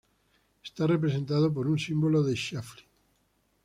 Está representado por un símbolo de Schläfli t{"p","q"...}.